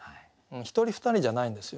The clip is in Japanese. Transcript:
１人２人じゃないんですよ。